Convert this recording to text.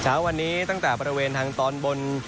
เช้าวันนี้ตั้งแต่บริเวณทางตอนบน